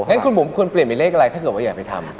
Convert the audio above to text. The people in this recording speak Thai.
งั้นคุณบุ๋มควรเปลี่ยนเป็นเลขอะไรถ้าเกิดว่าอย่าไปทำ